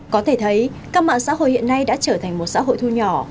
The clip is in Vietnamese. có thể thấy các mạng xã hội hiện nay đã trở thành một xã hội thu nhỏ